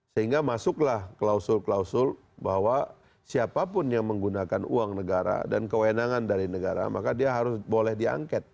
sehingga masuklah klausul klausul bahwa siapapun yang menggunakan uang negara dan kewenangan dari negara maka dia harus boleh diangket